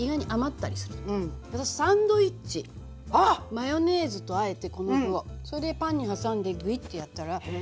マヨネーズとあえてこの具をそれパンに挟んでグイッとやったらサンドイッチにもなるし。